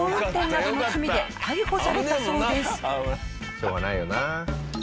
しょうがないよな。